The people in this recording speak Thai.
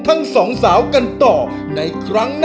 ผ่านยกที่สองไปได้นะครับคุณโอ